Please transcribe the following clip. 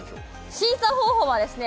審査方法はですね